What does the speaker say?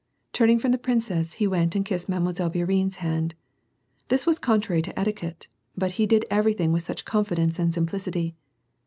Turning from the princess, he went and kissed I^Ille. Bour ienne's hand. This was contrary to etiquette, but ho did every thing with such confidence and simplicity